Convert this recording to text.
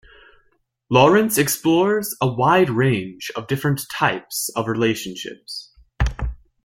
Lawrence explores a wide range of different types of relationships.